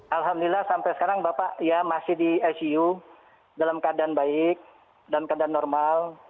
alhamdulillah sampai sekarang bapak masih di icu dalam keadaan baik dalam keadaan normal